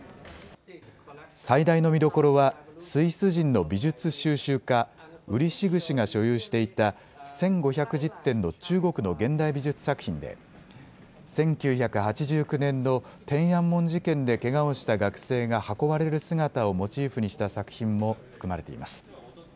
最大の見どころはスイス人の美術収集家、ウリ・シグ氏が所有していた１５１０点の中国の現代美術作品で１９８９年の天安門事件でけがをした学生が運ばれる姿をモチーフにした作品も含まれています。